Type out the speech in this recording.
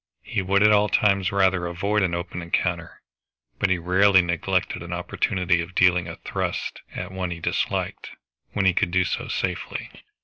He would at all times rather avoid an open encounter, but he rarely neglected an opportunity of dealing a thrust at any one he disliked, when he could do so safely.